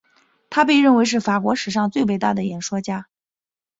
他被认为是法国史上最伟大的演说家。